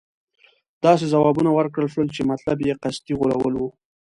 داسې ځوابونه ورکړل شول چې مطلب یې قصدي غولول وو.